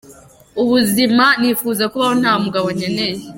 Ubuzima nifuza kubaho nta mugabo nkeneye’.